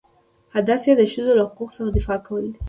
هدف یې د ښځو له حقوقو څخه دفاع کول دي.